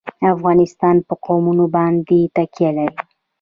افغانستان په قومونه باندې تکیه لري.